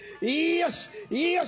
よし！